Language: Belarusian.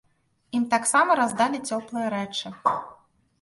Ім таксама раздалі цёплыя рэчы.